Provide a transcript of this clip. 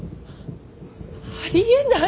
ありえない。